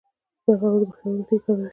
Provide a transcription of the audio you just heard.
زردآلو د پښتورګو تیږې کموي.